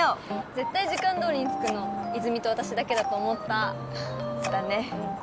絶対時間どおりに着くの泉と私だけだと思っただね